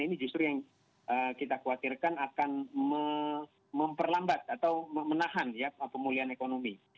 ini justru yang kita khawatirkan akan memperlambat atau menahan pemulihan ekonomi